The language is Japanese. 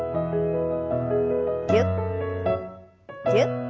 ぎゅっぎゅっ。